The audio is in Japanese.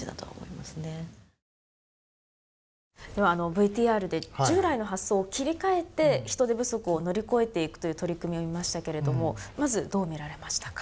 ＶＴＲで従来の発想を切り替えて人手不足を乗り越えていくという取り組みを見ましたけれどもまず、どう見られましたか。